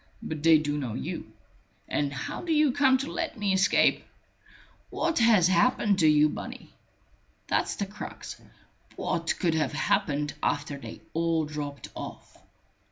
But they do know you; and how do you come to let me escape? What has happened to you, Bunny? That's the crux. What could have happened after they all dropped off?"